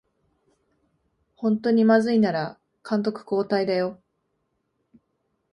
ほんとにまずいなら監督交代だよ